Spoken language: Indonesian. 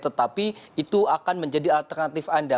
tetapi itu akan menjadi alternatif anda